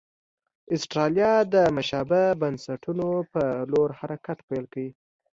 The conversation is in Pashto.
اسټرالیا د مشابه بنسټونو په لور حرکت پیل کړ.